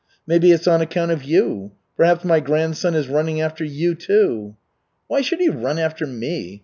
"Maybe it's on account of you. Perhaps my grandson is running after you too?" "Why should he run after me?